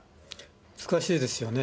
難しいですよね。